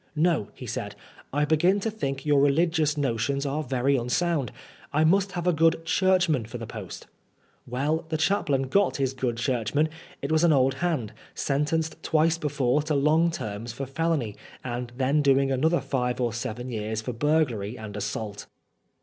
" No," he said, " I begin to think your religious notions are very unsound. I must have a good Churchman for the post." Well, the chaplain got his good Churchman ; it was an old hand, sentenced twice before to long terms for felony, and then doing another five or seven years for burglary and assaxdt.